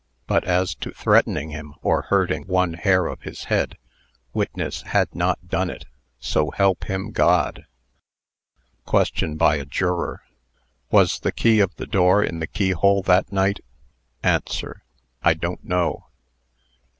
But as to threatening him, or hurting one hair of his head, witness had not done it so help him God! QUESTION BY A JUROR. "Was the key of the door in the keyhole that night?" ANSWER. "I don't know."